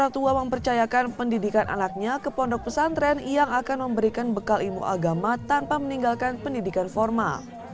orang tua mempercayakan pendidikan anaknya ke pondok pesantren yang akan memberikan bekal ilmu agama tanpa meninggalkan pendidikan formal